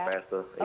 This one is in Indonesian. tujuh tps tuh